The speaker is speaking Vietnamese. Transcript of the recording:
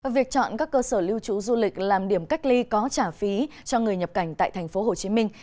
việc chọn các cơ sở lưu trú du lịch làm điểm cách ly có trả phí cho người nhập cảnh tại thành phố hồ chí minh